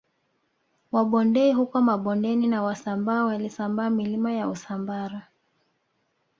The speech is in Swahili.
Wabondei huko Mabondeni na Wasambaa walisambaa milima ya Usambara